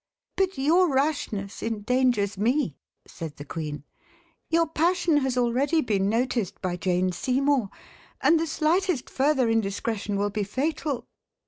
"But your rashness endangers me," said the queen. "Your passion has already been noticed by Jane Seymour, and the slightest further indiscretion will be fatal."